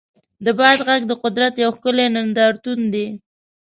د باد غږ د قدرت یو ښکلی نندارتون دی.